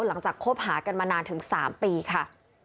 หลังจากคบหากันมานานถึง๓ปีค่ะ